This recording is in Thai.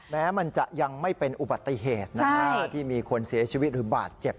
แม้มันจะยังไม่เป็นอุบัติเหตุที่มีคนเสียชีวิตหรือบาดเจ็บ